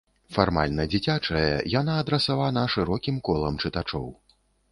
Фармальна дзіцячая, яна адрасавана шырокім колам чытачоў.